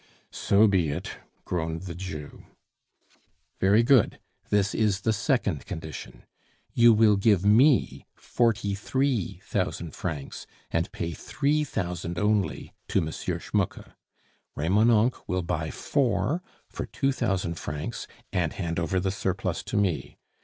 "So be it," groaned the Jew. "Very good. This is the second condition. You will give me forty three thousand francs, and pay three thousand only to M. Schmucke; Remonencq will buy four for two thousand francs, and hand over the surplus to me.